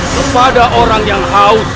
kepada orang yang haus